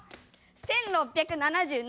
１６７７。